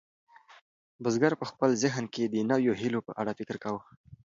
بزګر په خپل ذهن کې د نویو هیلو په اړه فکر کاوه.